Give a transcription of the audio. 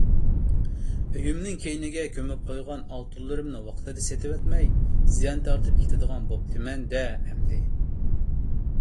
ئۆيۈمنىڭ كەينىگە كۆمۈپ قويغان ئالتۇنلىرىمنى ۋاقتىدا سېتىۋەتمەي زىيان تارتىپ كېتىدىغان بوپتىمەن-دە ئەمدى!